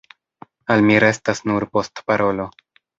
Al mi restas nur postparolo.